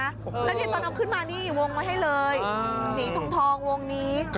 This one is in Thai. แล้วตอนนี้เราขึ้นมาวงไว้ให้เลยสีทองวงนี้